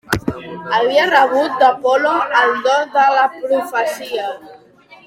Havia rebut d'Apol·lo el do de la profecia.